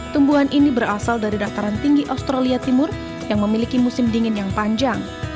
tumbuhan ini berasal dari dataran tinggi australia timur yang memiliki musim dingin yang panjang